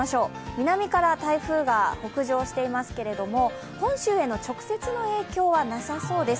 南から台風が北上していますけど本州への直接の影響はなさそうです。